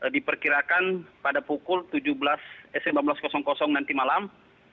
diperkirakan pada pukul tujuh belas nanti malam